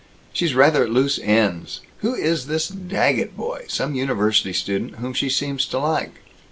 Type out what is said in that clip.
She's rather at loose ends. Who is this Daggett boy some university student whom she seems to like?"